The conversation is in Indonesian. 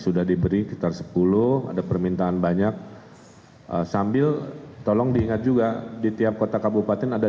sudah diberi sekitar sepuluh ada permintaan banyak sambil tolong diingat juga di tiap kota kabupaten ada